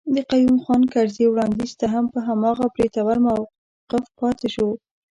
د قيوم خان کرزي وړانديز ته هم په هماغه بریتور موقف پاتي شو.